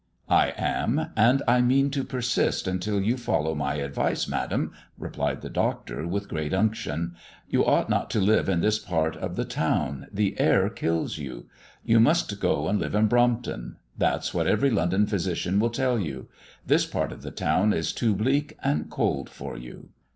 "I am; and I mean to persist until you follow my advice, Madam," replied the Doctor, with great unction. "You ought not to live in this part of the town, the air kills you. You must go and live in Brompton; that's what every London physician will tell you. This part of the town is too bleak and cold for you."